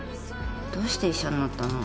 どうして医者になったの？